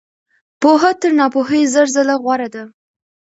پوهه تر ناپوهۍ زر ځله غوره ده.